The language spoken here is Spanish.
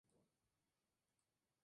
Arturo del Castillo Lugo.